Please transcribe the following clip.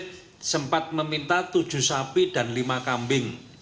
saya sempat meminta tujuh sapi dan lima kambing